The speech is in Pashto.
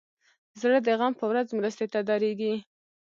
زړه د غم په ورځ مرستې ته دریږي.